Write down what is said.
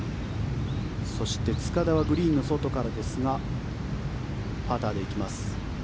そして塚田はグリーンの外からですがパターで行きます。